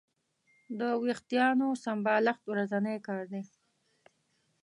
د وېښتیانو سمبالښت ورځنی کار دی.